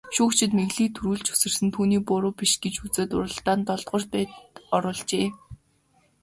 Шүүгчид Мигелийн түрүүлж үсэрсэн нь түүний буруу биш гэж үзээд уралдаанд долдугаарт байрт оруулжээ.